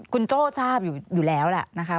คุณโจ้ทราบอยู่แล้วแหละนะคะ